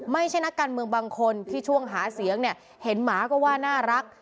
ไม่ใช่นักการเมืองบางคนที่ช่วงหาเสียงเนี่ยเห็นหมาก็ว่าน่ารัก